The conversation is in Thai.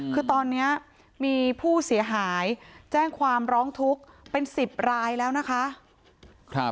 คือตอนนี้มีผู้เสียหายแจ้งความร้องทุกข์เป็น๑๐รายแล้วนะคะ